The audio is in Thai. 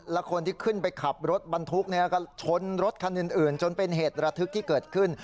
แล้วคนที่ขึ้นไปขับรถบรรทุกก็ชนรถคันอื่นจนเป็นเหตุระทึกที่เกิดขึ้น